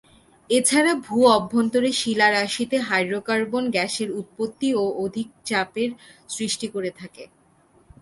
এছাড়া ভূ অভ্যন্তরে শিলারাশিতে হাইড্রোকার্বন গ্যাসের উৎপত্তি ও অধিচাপের সৃষ্টি করে থাকে।